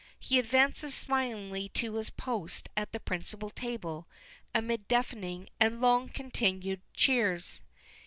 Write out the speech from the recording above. He advances smilingly to his post at the principal table, amid deafening and long continued cheers.